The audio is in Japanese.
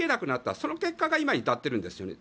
その結果が今に至っているんですよね。